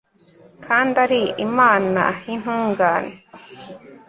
kandi ari imana y'intungane